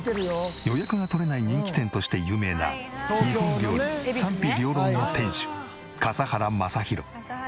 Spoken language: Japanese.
予約が取れない人気店として有名な日本料理賛否両論の店主笠原将弘。